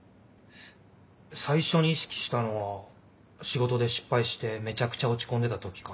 最初に意識したのは仕事で失敗してめちゃくちゃ落ち込んでた時かな。